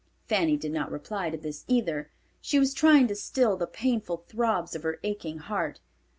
Fanny did not reply to this either. She was trying to still the painful throbs of her aching heart.